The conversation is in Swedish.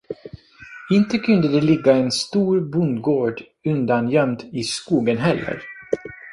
Inte kunde det ligga en stor bondgård undangömd i skogen heller?